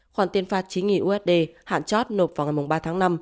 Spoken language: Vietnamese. khoản tiền phạt chín usd hạn chót nộp vào ngày ba tháng năm